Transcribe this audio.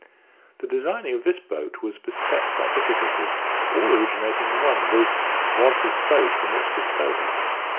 The designing of this boat was beset by difficulties, all originating in one, viz., want of space in which to stow her.